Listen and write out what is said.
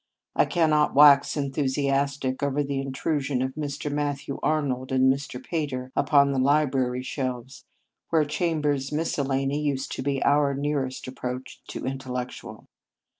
I cannot wax en thusiastic over the intrusion of Mr. Matthew Arnold and Mr. Pater upon the library shelves, where Chambers Miscellany used to be our nearest approach to the intellectual.